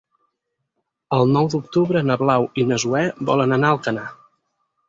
El nou d'octubre na Blau i na Zoè volen anar a Alcanar.